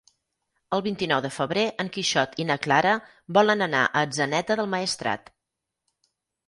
El vint-i-nou de febrer en Quixot i na Clara volen anar a Atzeneta del Maestrat.